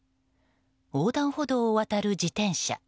横断歩道を渡る自転車。